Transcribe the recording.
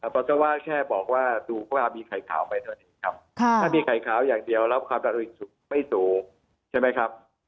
ปัสสาวะแค่บอกว่าดูว่ามีไข่ขาวไปหน่อยนะครับถ้ามีไข่ขาวอย่างเดียวแล้วความรับโรหิตไม่สูงใช่ไหมครับ